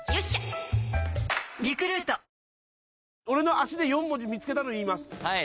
俺の足で４文字見つけたの言います。